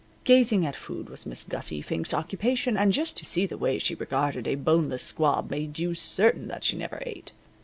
Gazing at food was Miss Gussie Fink's occupation, and just to see the way she regarded a boneless squab made you certain that she never ate.